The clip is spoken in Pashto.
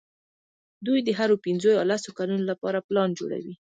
دوی د هرو پینځو یا لسو کلونو لپاره پلان جوړوي.